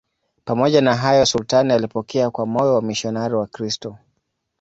Pamoja na hayo, sultani alipokea kwa moyo wamisionari Wakristo.